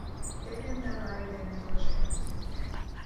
Теве ынде аварий дене толашен кий...